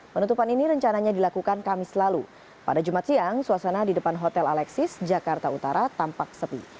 penutupan ini rencananya dilakukan kamis lalu pada jumat siang suasana di depan hotel alexis jakarta utara tampak sepi